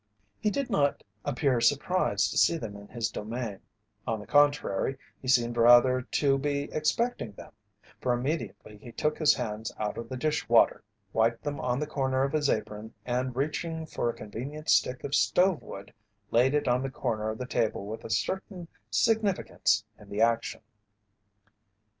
He did not appear surprised to see them in his domain, on the contrary he seemed rather to be expecting them, for immediately he took his hands out of the dish water, wiped them on the corner of his apron, and reaching for a convenient stick of stove wood laid it on the corner of the table with a certain significance in the action.